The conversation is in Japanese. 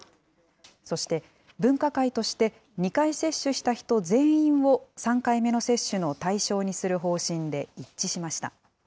そして、分科会として２回接種した人全員を３回目の接種の対象にする方針で一致しました。